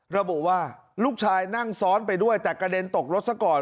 ระบุว่าลูกชายนั่งซ้อนไปด้วยแต่กระเด็นตกรถซะก่อน